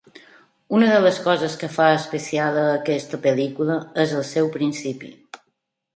Una de les coses que fa especial a aquesta pel·lícula és el seu principi.